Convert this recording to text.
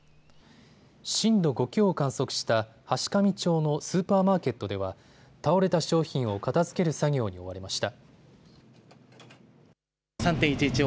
震度５強を観測した階上町のスーパーマーケットでは倒れた商品を片付ける作業に追われました。